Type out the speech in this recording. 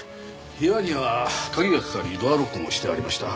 部屋には鍵がかかりドアロックもしてありました。